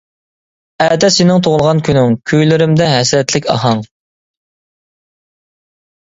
ئەتە سېنىڭ تۇغۇلغان كۈنۈڭ، كۈيلىرىمدە ھەسرەتلىك ئاھاڭ.